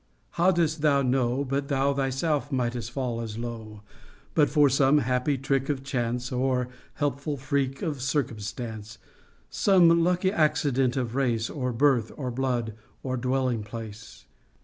How dost thou know But thou thyself mightst fall as low, But for some happy trick of chance, Or helpful freak of circumstance, Some lucky accident of race, Or birth, or blood, or dwelling place